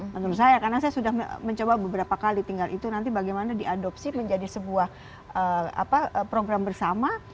menurut saya karena saya sudah mencoba beberapa kali tinggal itu nanti bagaimana diadopsi menjadi sebuah program bersama